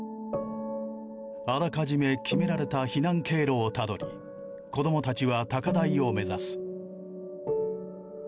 あらかじめ決められた避難経路をたどり子供たちは高台を目指す。